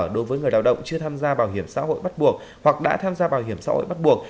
đối với người lao động chưa tham gia bảo hiểm xã hội bắt buộc hoặc đã tham gia bảo hiểm xã hội bắt buộc